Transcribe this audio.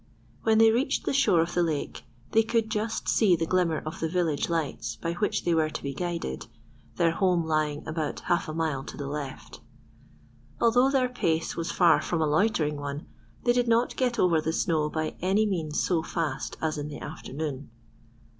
When they reached the shore of the lake, they could just see the glimmer of the village lights by which they were to be guided—their home lying about half a mile to the left. Although their pace was far from a loitering one, they did not get over the snow by any means so fast as in the afternoon.